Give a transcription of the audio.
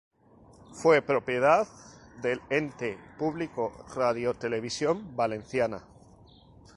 Fue propiedad del ente público Radiotelevisión Valenciana.